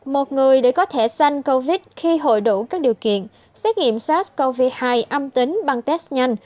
một người để có thể xanh covid khi hội đủ các điều kiện xét nghiệm sars cov hai âm tính bằng test nhanh